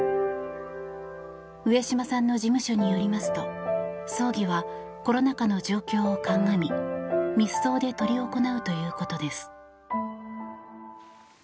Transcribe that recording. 上島さんの事務所によりますと葬儀はコロナ禍の状況を鑑み密葬で執り行うということです。